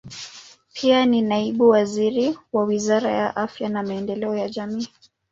Pia ni naibu waziri wa Wizara ya Afya na Maendeleo ya Jamii.